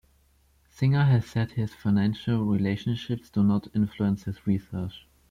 Singer has said his financial relationships do not influence his research.